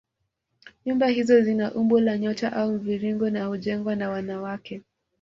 Nyumba hizo zina umbo la nyota au mviringo na hujengwa na wanawake